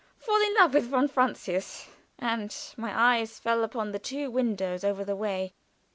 Fall in love with von Francius, and my eyes fell upon the two windows over the way.